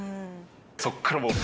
そこからもう。